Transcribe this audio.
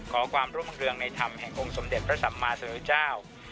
ความรุ่งเรืองในธรรมแห่งองค์สมเด็จพระสัมมาเสนอเจ้า